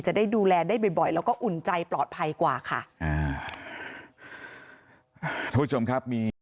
จะได้ดูแลได้บ่อยบ่อยแล้วก็อุ่นใจปลอดภัยกว่าค่ะอ่า